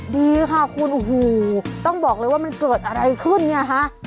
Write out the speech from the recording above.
ดีค่ะคุณโอ้โหต้องบอกเลยว่ามันเกิดอะไรขึ้นเนี่ยฮะ